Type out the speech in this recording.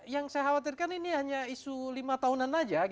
yang saya khawatirkan ini hanya isu lima tahunan saja